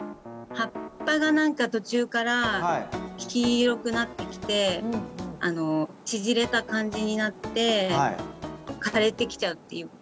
葉っぱが何か途中から黄色くなってきてあの縮れた感じになって枯れてきちゃうっていうか